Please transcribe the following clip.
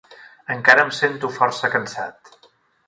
Encara em sento força cansat.